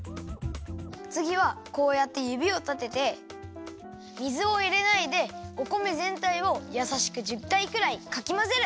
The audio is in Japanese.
つぎはこうやってゆびをたてて水をいれないでお米ぜんたいをやさしく１０かいくらいかきまぜる！